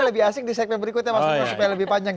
lebih asik di segmen berikutnya mas toto supaya lebih panjang